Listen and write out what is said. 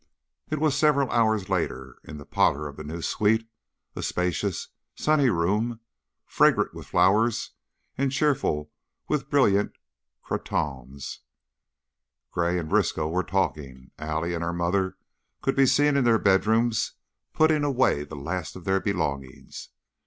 It was several hours later. In the parlor of the new suite, a spacious, sunny room, fragrant with flowers and cheerful with brilliant cretonnes, Gray and Briskow were talking. Allie and her mother could be seen in their bedrooms putting away the last of their belongings.